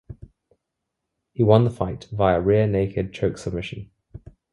He won the fight via rear-naked choke submission.